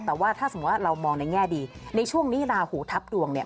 แต่ว่าถ้าสมมุติว่าเรามองในแง่ดีในช่วงนี้ลาหูทับดวงเนี่ย